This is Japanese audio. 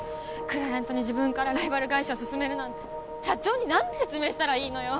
クライアントに自分からライバル会社をすすめるなんて社長に何て説明したらいいのよ？